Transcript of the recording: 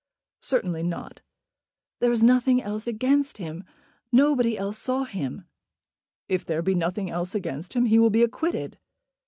"Certainly not." "There is nothing else against him; nobody else saw him." "If there be nothing else against him he will be acquitted."